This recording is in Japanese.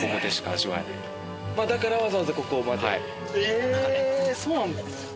えそうなんですね。